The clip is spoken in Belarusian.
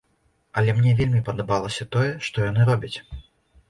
Але мне вельмі падабалася тое, што яны робяць.